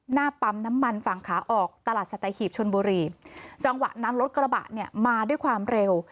หน้าปั๊มน้ำมันฝั่งขาออกตลาดสัตหีบชนบุรีจังหวะนั้นรถกระบะเนี่ยมาด้วยความเร็ว